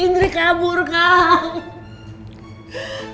indri kabur kang